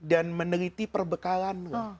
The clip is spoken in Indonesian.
dan meneliti perbekalan